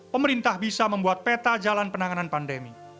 pemerintah bisa membuat peta jalan penanganan pandemi